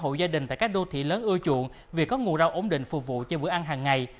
mua rau trồng gia đình tại các đô thị lớn ưa chuộng vì có ngủ rau ổn định phục vụ cho bữa ăn hàng ngày